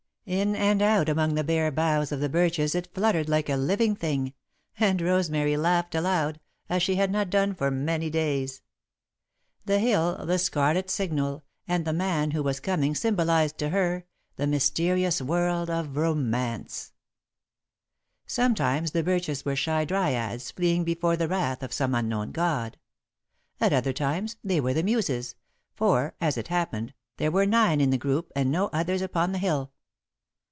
In and out among the bare boughs of the birches it fluttered like a living thing, and Rosemary laughed aloud, as she had not done for many days. The hill, the scarlet signal, and the man who was coming symbolised, to her, the mysterious world of Romance. [Sidenote: World of Romance] Sometimes the birches were shy dryads, fleeing before the wrath of some unknown god. At other times, they were the Muses, for, as it happened, there were nine in the group and no others upon the hill.